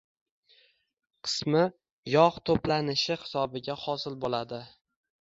qismi yog 'to'planishi hisobiga hosil bo'ladi